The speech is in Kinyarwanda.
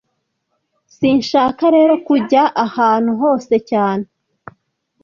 sinshaka rero kujya ahantu hose cyane